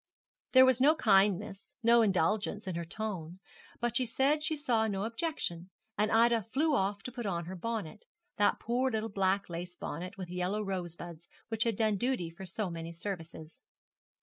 There was no kindness, no indulgence in her tone, but she said she saw no objection, and Ida flew off to put on her bonnet, that poor little black lace bonnet with yellow rosebuds which had done duty for so many services.